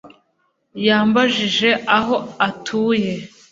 Yambajije aho atuye